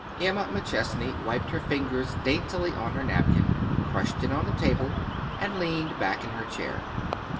] Emma McChesney wiped her fingers daintily on her napkin, crushed it on the table, and leaned back in her chair.